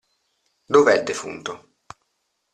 Dov'è il defunto?